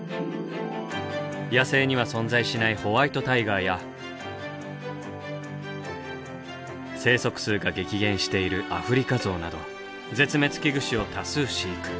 野生には存在しないホワイトタイガーや生息数が激減しているアフリカゾウなど絶滅危惧種を多数飼育。